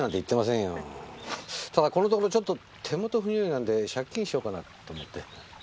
ただこのところちょっと手元不如意なんで借金しよっかなと思って。